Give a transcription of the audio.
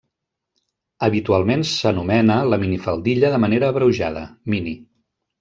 Habitualment s'anomena la minifaldilla de manera abreujada: mini.